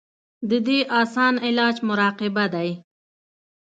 د دې اسان علاج مراقبه دے -